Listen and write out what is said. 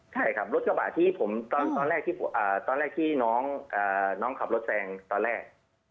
ใช่ครับรถกระบะที่ผมตอนตอนแรกที่อ่าตอนแรกที่น้องอ่าน้องขับรถแซงตอนแรก